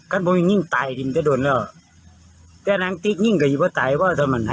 เขาต้องฟังตายถึงที่โดนแล้วแต่นั้นก็อยู่ก่อนตายเพราะถามมันฮะ